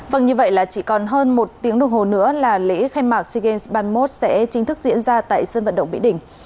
vâng như vậy là chỉ còn hơn một tiếng đồng hồ nữa là lễ khai mạc sea games ba mươi một sẽ chính thức diễn ra tại sân vận động mỹ đình